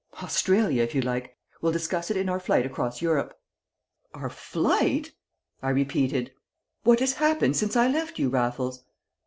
"Australia, if you like! We'll discuss it in our flight across Europe." "Our flight!" I repeated. "What has happened since I left you, Raffles?"